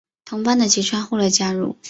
同班的吉川后来加入。